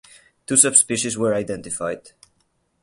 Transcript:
Two subspecies were identified.